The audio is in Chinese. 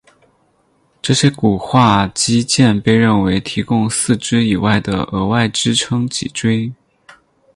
这些骨化肌腱被认为提供四肢以外的额外支撑脊椎。